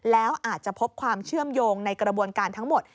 แล้วอาจจะพบความเชื่อมโยงในกระบวนการทั้งหมด